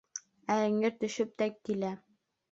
Ә эңер төшөп тә килә.